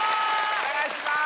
お願いします！